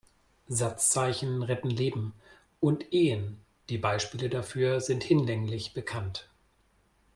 Satzzeichen retten Leben und Ehen, die Beispiele dafür sind hinlänglich bekannt.